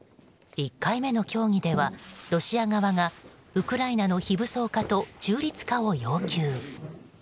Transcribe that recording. １回目の協議では、ロシア側がウクライナの非武装化と中立化を要求。